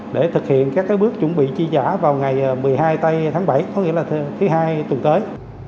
để thực hiện các bước chuẩn bị chi giả vào ngày một mươi hai tháng bảy có nghĩa là thứ hai tuần tới